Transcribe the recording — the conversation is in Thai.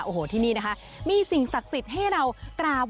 โอ้โหที่นี่นะคะมีสิ่งศักดิ์สิทธิ์ให้เรากราบ